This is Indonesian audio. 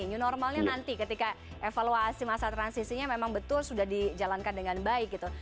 new normalnya nanti ketika evaluasi masa transisinya memang betul sudah dijalankan dengan baik gitu